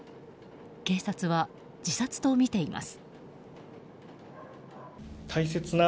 警察は、自殺とみています。